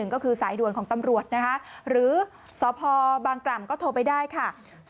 ก็คือสายด่วนของตำรวจนะคะหรือสพบางกล่ำก็โทรไปได้ค่ะ